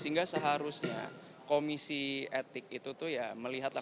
sehingga seharusnya komisi etik itu tuh ya melihatlah